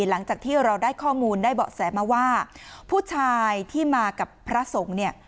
หลังจากที่เราได้ข้อมูลได้เบาะแสมาว่าผู้ชายที่มากับพระสงฆ์เนี่ย